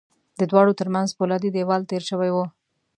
د دواړو ترمنځ پولادي دېوال تېر شوی و